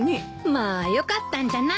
まあよかったんじゃない？